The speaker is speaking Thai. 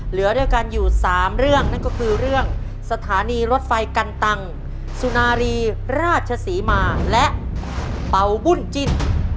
เหลือด้วยกันอยู่๓เรื่องนั่นก็คือเรื่องสถานีรถไฟกันตังสุนารีราชศรีมาและเป่าบุญจิ้น